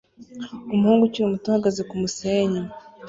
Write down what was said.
Umuhungu ukiri muto uhagaze kumusenyi